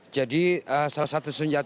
jadi salah satu senjata utama